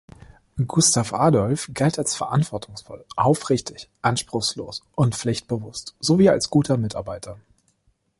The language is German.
Gustav Adolf galt als verantwortungsvoll, aufrichtig, anspruchslos und pflichtbewusst sowie als guter Mitarbeiter.